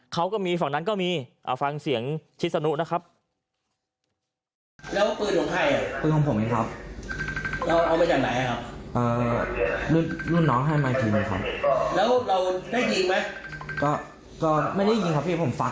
เขาก็มีฝั่งนั้นก็มีฟังเสียงชิศนุนะครับ